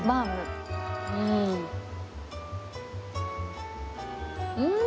うん。